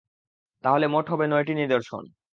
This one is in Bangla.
তাহলে মোট হবে নয়টি নিদর্শন।